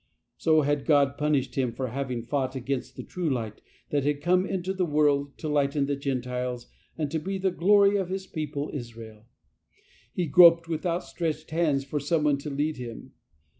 So had God punished him for having fought against the true light that had come into the world to lighten the Gentiles and to be the glory of His people Israel. He groped with outstretched hands for someone to lead him.